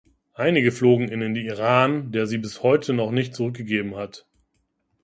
Einige flogen in den Iran, der sie bis heute noch nicht zurückgegeben hat.